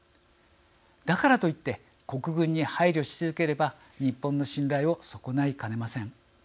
だからといって国軍に配慮し続ければ日本の信頼を損ないかねません。